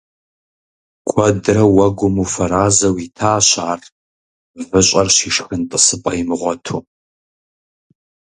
Куэдрэ уэгум уфэразэу итащ ар, выщӀэр щишхын тӀысыпӀэ имыгъуэту.